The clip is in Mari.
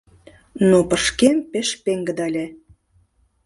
Но пышкем пеш пеҥгыде ыле.